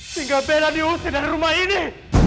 sehingga bella diusir dari rumah ini